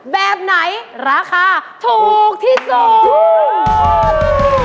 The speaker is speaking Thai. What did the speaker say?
แบบไหนราคาถูกที่สุด